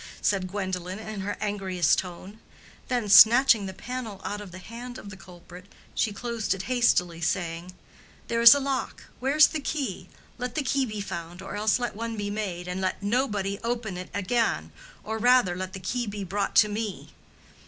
said Gwendolen, in her angriest tone. Then snatching the panel out of the hand of the culprit, she closed it hastily, saying, "There is a lock—where is the key? Let the key be found, or else let one be made, and let nobody open it again; or rather, let the key be brought to me."